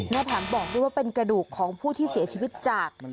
และแถมบอกด้วยว่าเป็นกระดูกของผู้ที่เสียชีวิตจาก